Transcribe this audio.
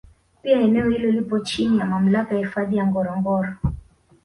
Pia eneo hili lipo chini ya Mamlaka ya Hifadhi ya Ngorongoro